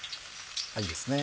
いいですね